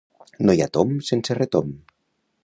No hi ha tomb sense retomb